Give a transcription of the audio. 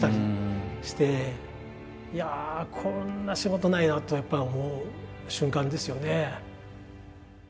いやあこんな仕事ないなってやっぱり思う瞬間ですよね。